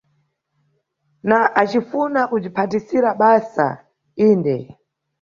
Na acifuna kubzwiphatisira basa, yinde.